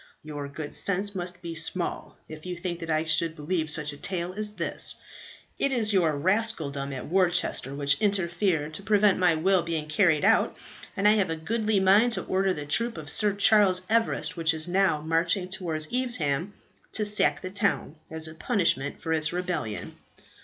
Your good sense must be small, if you think that I should believe such a tale as this. It is your rascaldom at Worcester which interfered to prevent my will being carried out, and I have a goodly mind to order the troop of Sir Charles Everest, which is now marching towards Evesham, to sack the town, as a punishment for its rebellion.